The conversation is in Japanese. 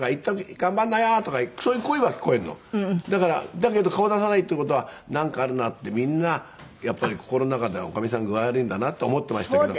だけど顔出さないっていう事はなんかあるなってみんなやっぱり心の中では女将さん具合悪いんだなと思ってましたけど。